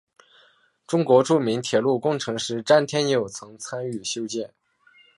中国著名铁路工程师詹天佑曾参与修建。